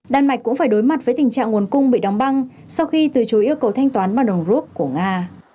đan mạch cũng phải đối mặt với tình trạng nguồn cung bị đóng băng sau khi từ chối yêu cầu thanh toán bằng đồng rút của nga